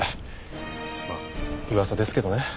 まあ噂ですけどね。